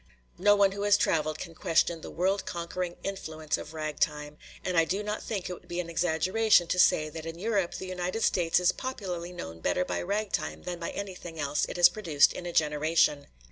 No one who has traveled can question the world conquering influence of ragtime, and I do not think it would be an exaggeration to say that in Europe the United States is popularly known better by ragtime than by anything else it has produced in a generation.